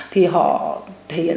thì họ thể hiện